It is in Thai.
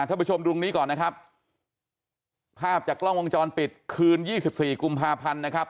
ท่านผู้ชมดูตรงนี้ก่อนนะครับภาพจากกล้องวงจรปิดคืนยี่สิบสี่กุมภาพันธ์นะครับ